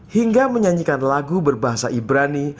hingga menyanyikan lagu berbahasa ibrani